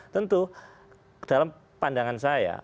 tentu dalam pandangan saya